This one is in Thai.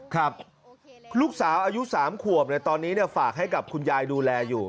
ครับลูกสาวอายุ๓ขวบตอนนี้ฝากให้กับคุณยายดูแลอยู่